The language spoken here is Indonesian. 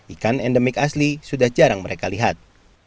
ikan endemik asli sudah jarang mereka lihat